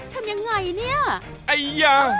ทำยังไงเนี่ย